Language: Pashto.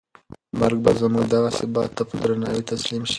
مرګ به زموږ دغه ثبات ته په درناوي تسلیم شي.